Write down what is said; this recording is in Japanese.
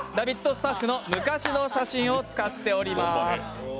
スタッフの昔の写真を使っております。